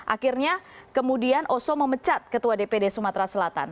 akhirnya kemudian oso memecat ketua dpd sumatera selatan